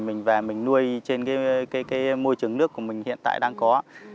mình về mình nuôi trên cái môi trường nước của mình hiện tại đang có